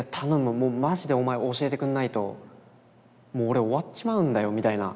もうマジでお前教えてくんないともう俺終わっちまうんだよ」みたいな。